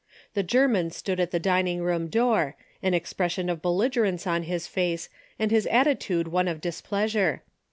The German stood at the dining room door, an expression of belligerence on his face and his attitude one of displeasure.